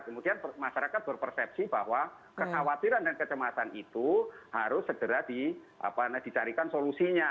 kemudian masyarakat berpersepsi bahwa kekhawatiran dan kecemasan itu harus segera dicarikan solusinya